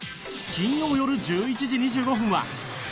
金曜よる１１時２５分は。